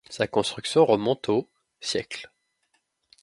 Sa construction remonte au - siècle.